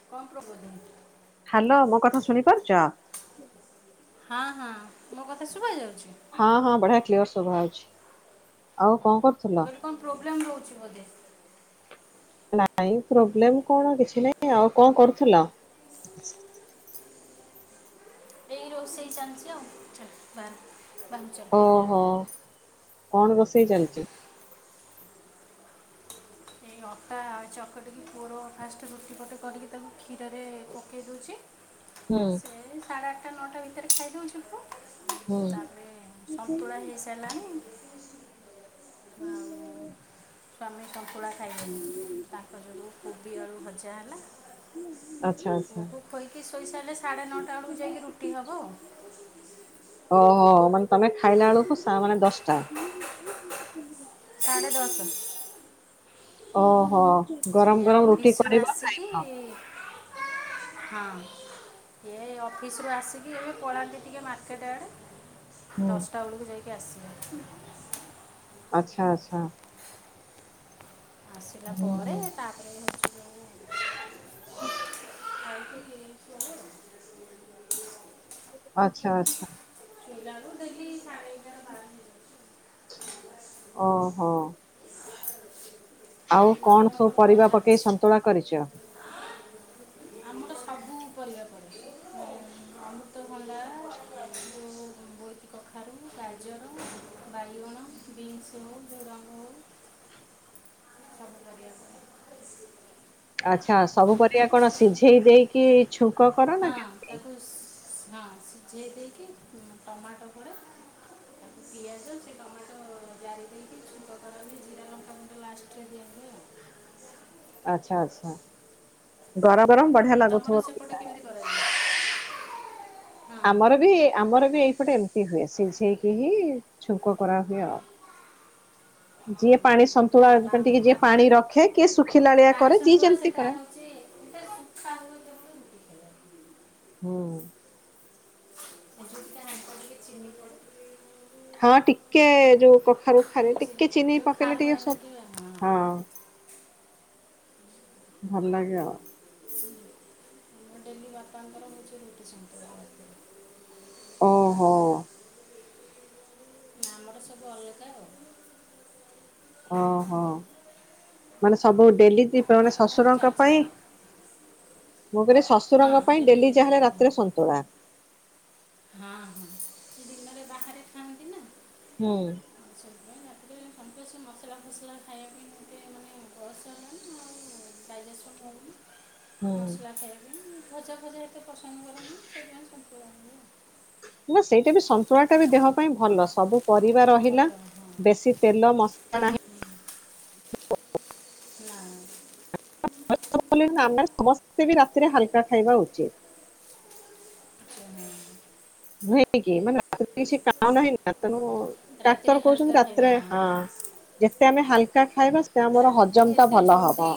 [inaudible] Hello ମୋ କଥା ଶୁଣିପାରୁଛ? ହଁ ହଁ ମୋ କଥା ଶୁଭ ଯାଉଛି? ହଁ ହଁ ବଢିଆ କ୍ଲିୟର ଶୁଭା ଯାଉଛି ଆଉ କଣ କରୁଥିଲ? କଣ ପ୍ରୋବ୍ଲେମ୍ ରଉଛି ବୋଧେ? ନାଇଁ ପ୍ରୋବ୍ଲେମ କଣ କିଛି ନାଇଁ ଆଉ କଣ କରୁଥିଲ? [inaudible] ଏଇ ରୋଷେଇ ଚାଲିଛି ଆଉ ଚା ବା ବାହାରକୁ ତାଲ୍। ଓହୋ କଣ ରୋଷେଇ ଚାଲିଛି? ଏଇ ଅଟା ଚକଟିକି ପୁଅର ଫାଷ୍ଟ ରୁଟି ପଟେ କରିକି ତାକୁ କ୍ଷୀରରେ ପକେଇ ଦଉଛି। [inaudible] ହୁଁ। ଏଇ ସାଢେ ଆଠଟା ନଅଟା ଭିତରେ ଖାଇଦଉଛୁ ପୁଅ। ହୁଁ ତାପରେ ସନ୍ତୁଳା ହେଇସାରିଲାଣି। ଆଉ ସ୍ୱାମୀ ସନ୍ତୁଳା ଖାଇବେନି। ତାଙ୍କ ଯୋଗୁଁ କୋବି ଆଳୁ ଭଜା ହେଲା ଆଚ୍ଛା ଆଚ୍ଛା। ବହୁତ ଖୋଇକି ଶୋଇସାରିଲେ ସାଢ଼େ ନଅଟା ବେକୁ ଯାଇକି ରୁଟି ହେବ ଆଉ। ଓହୋ ମାନେ ତମେ ଖାଇଲା ବେଳକୁ ମାନେ ଦଶଟା। ସାଢ଼େ ଦଶ। ଓହୋ ଗରମ ଗରମ ରୁଟି କରିବ ଖାଇବ। ହଁ। ଏ ଅଫିସରୁ ଆସିକି ଏବେ ପଳାନ୍ତି ଟିକେ ମାର୍କେଟ ଆଡ଼େ। ହୁଁ ଦଶଟା ବେଳକୁ ଯାଇକି ଆସିବେ। ଆଚ୍ଛା ଆଚ୍ଛା। ଆସିଲା ହୁଁ ପରେ ହୁଁ ତା [inaudible] ଆଚ୍ଛା ଆଚ୍ଛା। ଶୋଇଲା ବେଳକୁ ଯାଇକି ସାଢେ ଏଗାର ବାର ଓହୋ ଆଉ କଣ ସବୁ ପରିବା ପକେଇ ସଂ ନ୍ତୁଳା କରିଛ। [inaudible] ଆମର ସବୁ ପରିବା ପଡ଼େ ଅମୃତଭଣ୍ଡା ଜଉ ବୋଇତି କଖାରୁ, ଗାଜର, ବାଇଗଣ, ବିନ୍ସ ହଉ ଝୁଡ଼ଙ୍ଗ ହଉ [inaudible] ଆଚ୍ଛା ସବୁ ପରିବା କଣ ସିଝେଇ ଦେଇକି ଛୁଙ୍କ କର ନା କେମିତି? ତାକୁ ହଁ ସିଝେଇ ଦେଇକି ଟମାଟୋ ପଡ଼େ ପିଆଜ ସେ ଟମାଟୋ ଜାରି ଦେଇକି ଛୁଙ୍କ କରନ୍ତି ଜିରା ଲଙ୍କା ଗୁଣ୍ଡ ଲାଷ୍ଟରେ ଦିଅନ୍ତି ଆଉ। ଆଚ୍ଛା ଆଚ୍ଛା ଗର ଗରମ ବ ତମର ସେପଟ କେମିତି କରାଯାଏ? ଆମର ବି ଆମର ବି ଏଇପଟେ ଏମିତି ହୁଏ ସିଝେଇକି ହିଁ ଛୁଙ୍କ କରାହୁଏ ଆଉ। [inaudible] ଯିଏ ପାଣି ସନ୍ତୁଳା ଟିକେ ଯିଏ ପାଣି ରଖେ କିଏ ଶୁଖିଲାଳିଆ କରେ ଯିଏ ଯେମିତି କରେ। ଏତେ ସୁଖା ହବ [inaudible] ହୋ। ଏବଂ ତା ଆଗ ଟିକେ ଚିନି ପଡ଼େ। ହଁ ଟିକେ ଯୋଉ କଖାରୁ ଖାରୁ ଟିକେ ଚିନି ପକେଇଲେ ଟିକେ ସବୁ ହଁ ଭଲ ଲାଗେ ଆଉ। ମୂଁ ଡେଲି ବାପାଙ୍କର ମୁଁ ଯେ ରୋଟି ଓହୋ। ଆମର ସବୁ ଅଲଗା ଆଉ। ଓହୋ ମାନେ ସବୁ ଡେଲି ମାନେ ଶ୍ୱଶୁରଙ୍କ ପାଇଁ ମୁଁ କହିଲି ଶଶୁରଙ୍ଗ ପାଇଁ ଡେଲି ଯାହାହେଲେ ରାତିରେ ସନ୍ତୁଳା? ହଁ ହଁ ଦିନରେ ବାହାରେ ଖାଆନ୍ତି ନା? ହୁଁ। ସେଥିପାଇଁ ଆଗେ ସବୁବେଳେ ସେ ମସଲା ଫସଲା ଖାଇବା ପାଇଁ ମୋତେ ମାନେ ବୟସ ହେଲାଣି ଆଉ ଡାଇଜେସନ୍ ହଉନି ହୁଁ। ମସଲା ଖାଇବେନି ଭଜା ଭଜା ଏତ ପସନ୍ଦ କ ନା ସେଇଟା ବି ସନ୍ତୁଳା ଟା ବି ଦେହ ପାଇଁ ଭଲ ସବୁ ପରିବା ରହିଲା ବେଶୀ ତେଲ ମସଲା ନାହିଁ ନା ଆମେ ସମସ୍ତେ ବି ରାତିରେ ହାଲକା ଖାଇବା ଉଚିତ୍ ନୁହେଁ କି ମାନ ଆ କିଛି କାମ ନା ନା ତେଣୁ ଡାକ୍ତର କହୁଛନ୍ତି ରାତିରେ ହଁ ଯେତେ ଆମେ ହାଲକା ଖାଇବା ସେତେ ଆମର ହଜମ ଟା ଭଲ ହବ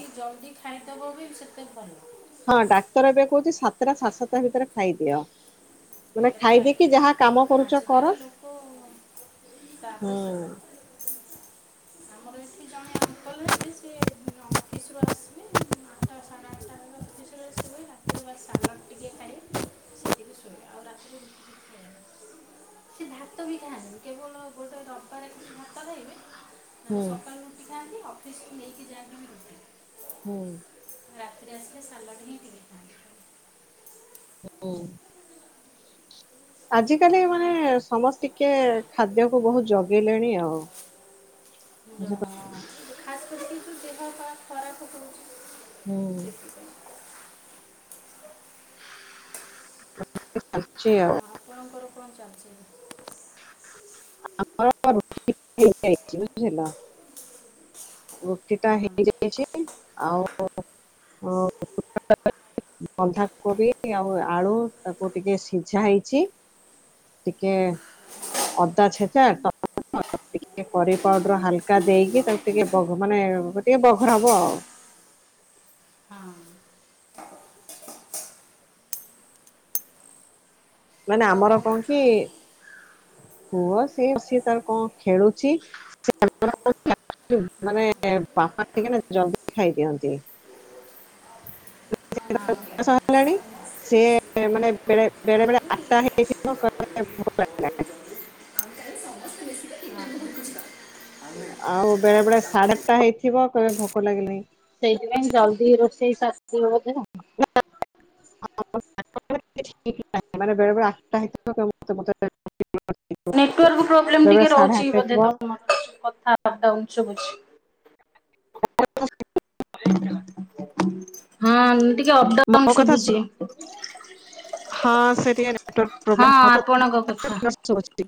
ଖାଇ ଦବ ବି ସେତେ ଭଲ ହଁ ଡାକ୍ତର ଏବେ କହୁଛି ସାତଟା ସାଢେ ଟା ସାତଟା ଭିତରେ ଖାଇଦିଅ ମାନେ ରେ ଖାଇ ଖାଇଦେଇକି ଯାହା କାମ କରୁଛ କର ଆଜିକାଲି ଲୋକ ହୁଁ ତାପରେ ସୋଇ ହ ଆମର ଏଠି ଜଣେ ଅଙ୍କଲ ହେଲେ ସେ ଅଫିସ ରୁ ଆସିଵେ ଆଠ ଟା ସାଢ଼େ ଆଠ ଟା ଆଶଳେ ଶୁଏ ହାତ ବା ଶଲ ଟିକେ ଖାଏ ସେତିକି ଶୋଇଏ ଆଉ ରାତି [inaudible] ସେ ଭାତ ବି ଖାଆ କେବଳ ଗୋଟେ ରବିବାର ଭାତ ଖାଇବେ ନହେଲେ ହୁଁ ସକାଳୁ ଉଠିଥାନ୍ତି ଥାନ୍ତି ଅଫିସକୁ ନେଇକି ଯାଆନ୍ତି ବି ରୁଟି ହୁଁ ରାତିରେ ଆସିଲେ ସାଲାଡ଼ ହିଁ ପିକଥା [inaudible] ଉଁ ଆଜ କାଲି ମାନେ ସମସ୍ତ ଟିକେ ଖାଦ୍ୟକୁ ବହୁତ ଜଗିଲେଣି ଆଉ [inaudible] ଖାସ୍ କରି କିନ୍ତୁ ଦେହ ପା ଖରାପ ହୁଁ ହଉଚି ଦେ ଆଉଛି ଆଉ ଆପଣଙ୍କର କଣ ଚାଲିଛି [unintelligible] ରୁଟି ଟା ହେଇଯାଇଛି ଆଉ ବନ୍ଧାକୋବି ଆଉ ଆଳୁ ତାକୁ ଟିକେ ସିଝା ହେଇଛି। ଟିକେ ଅଦା ଛେଛା [inaudible] ଟିକେ କରି ପାଉଡର ହାଲକା ଦେଇକି ତାକୁ ଟିକେ ମାନେ ଟିକେ ବଘରା ହବ ଆଉ ମାନେ ଆମର କଣ କି ପୁଅ ସେ ସିଏ ତାର କଣ ଖେଳୁଛି ମାନେ ବାପା ଟିକେ ନା ଜଲଦି ଖାଇ ଦିଅନ୍ତି ହେଲାଣି ସେ ମାନେ ଵେଳେ ବେଳେ ଆଠଟା ହେଇନ ଥିବ ଆଉ ବେଳେ ବେଳେ ସାଢେ ଆଠଟା ହେଇଥିବ କହିବେ ଭୋକ ଲାଗିଲାଣି। ସେଇଥି ପାଇଁ ଜଲଦି ରୋଷେଇ ସାରି ଥିବେ ବୋଧେ ମ ବବେ ଆଟା ହେ ମତ ମ [unintelligible] ନେଟୱାର୍କ ପ୍ରୋବ୍ଲେମ୍ ଟିକେ ରହୁଛି ବୋଧେ ହେଇଥିବ। ତମର କଥା ଅପଡାଉନ ଶୁଭୁଚି। ହ ହଁ ଟିକେ ଅପଡାଉନ୍ ମୋ କଥା ଶୁ ଶୁଭୁଚି। ହଁ ସେ ଟିକେ ନେଟୱର୍କ ପ୍ରୋବ୍ଲେମ ଆପଣଙ୍କ କଥା ହଉଥିବ ଶୁଭୁଚି।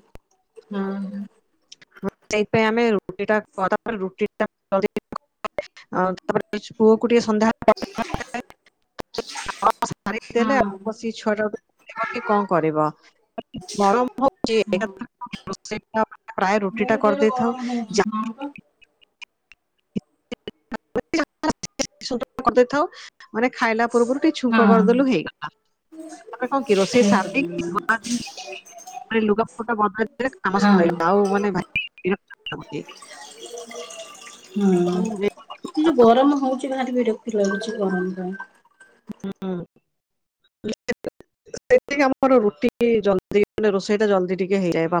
ହଁ। ସେଇଥି ପାଇଁ ଆମେ ରୁଟି ଟା କଥା ରୁଟି- ଆ ତାପରେ ପୁଅକୁ ଟିକେ ସନ୍ଧ୍ୟା- ହଁ ସେ କରିକି ଦେଲେ ହଁ ଆଉ ସେ ଛୁଆଟା କି କଁ କରିବ। ଗରମ ହଉଛି ହଁ ପ୍ରାୟ ରୁଟି ଟା ବହୁତ କରି ଜୋରେ ଗରମ ଦେଇେଇଥାଉ ହଉଛି ଯ- ହଁ ପା। କରିଦେଇଥାଉ। ମାନେ ଖାଇଲା ପୂର୍ବରୁ ଟିକେ ଛୁଙ୍କ ହଁ କରିଦେଲୁ ହେଇଗଲା ରେ କଁ କି ରୋଷେଇ ହଁ ସାରିଦେଇକି ମାନେ ଲୁଗାପଟା ହଁ। ଆଉ ମାନେ ଭାରି ଇଏ- [unintelligible] ହଁ ଯୋଉ ଗରମ ହଉଚି ଭାରି ବିରକ୍ତି ଲାଗୁଛି ଗରମ ପାଇଁ [unintelligible] [unintelligible] ସେଠିକ ଆମର ରୁଟି ଜଲ୍ଦି ମାନେ ରୋଷେଇ ଟା ଜଲ୍ଦି ଟିକେ ହେଇଯାଏ ବା